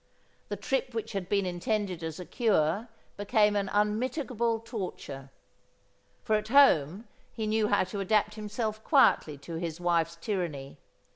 The trip which had been intended as a cure became an unmitigable torture. For at home he knew how to adapt himself quietly to his wife's tyranny.